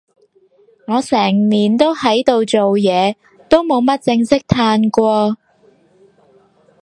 我成年都喺度做嘢，都冇乜正式嘆過